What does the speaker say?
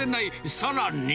さらに。